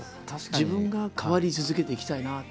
自分が変わり続けていきたいなって。